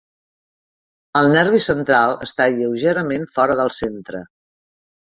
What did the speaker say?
El nervi central està lleugerament fora del centre.